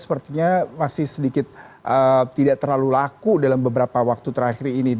sepertinya masih sedikit tidak terlalu laku dalam beberapa waktu terakhir ini